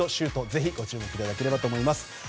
ぜひ、ご注目いただければと思います。